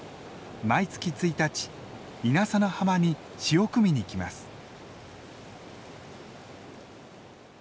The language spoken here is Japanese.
毎月１日稲佐の浜に潮汲みに来ます。